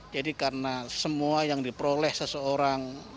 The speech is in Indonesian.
jadi karena semua yang diperoleh seseorang